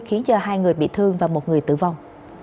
khiến cho hai người bị thương và một người tử vong